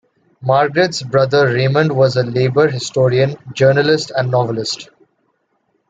Margaret's brother Raymond was a labour historian, journalist and novelist.